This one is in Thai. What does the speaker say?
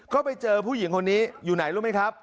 ก็ไปเจอผู้หญิงคนนี้อยู่ไหนรู้ไหมครับ